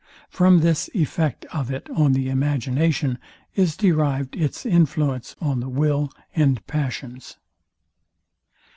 From this effect of it on the imagination is derived its influence on the will and passions.